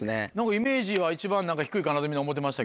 イメージは一番低いかなってみんな思ってましたけど。